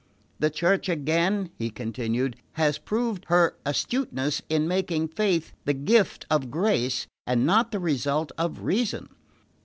The Church again," he continued, "has proved her astuteness in making faith the gift of grace and not the result of reason.